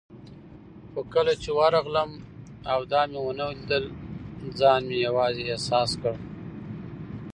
خو کله چې ورغلم او دا مې ونه لیدل، ځان مې یوازې احساس کړ.